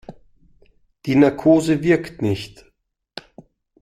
Die Narkose wirkt nicht.